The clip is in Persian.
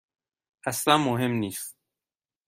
اصلا مهم نیست.